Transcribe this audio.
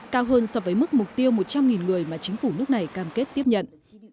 cao hơn so với mức mục tiêu một trăm linh người mà chính phủ nước này cam kết tiếp nhận